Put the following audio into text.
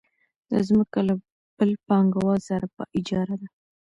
دا ځمکه له بل پانګوال سره په اجاره ده